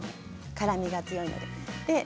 辛みが強いので。